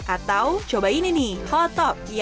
untuk selamat pet permukaan